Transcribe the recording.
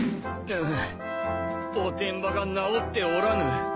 ぬうおてんばが直っておらぬ。